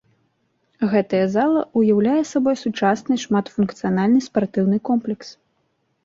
Гэтая зала ўяўляе сабой сучасны шматфункцыянальны спартыўны комплекс.